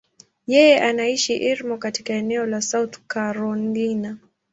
Yeye anaishi Irmo, katika eneo la South Carolina.